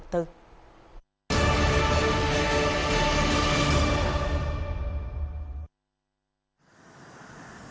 kinh tế phương nam